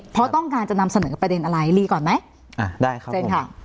เพราะต้องการจะนำเสนอประเด็นอะไรรีก่อนไหมอ่าได้ครับเชิญค่ะ